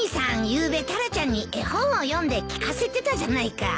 ゆうべタラちゃんに絵本を読んで聞かせてたじゃないか。